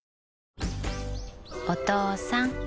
お父さん。